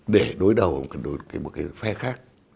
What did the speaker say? để đối đầu với một cái phe khác